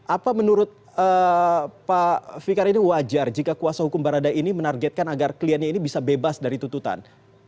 apa menurut pak fikar ini wajar jika kuasa hukum barada ini menargetkan agar kliennya ini bisa bebas dari tututan